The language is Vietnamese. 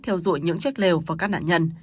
theo dụi những chiếc lều và các nạn nhân